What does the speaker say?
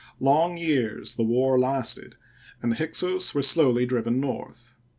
Long years the war lasted, and the Hyksos were slowly driven north.